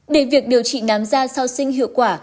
để việc điều trị nám da sau sinh hiệu quả